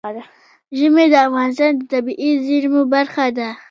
ژمی د افغانستان د طبیعي زیرمو برخه ده.